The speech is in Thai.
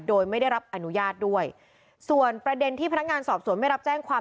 โดยไม่ได้รับอนุญาตด้วยส่วนประเด็นที่พนักงานสอบสวนไม่รับแจ้งความ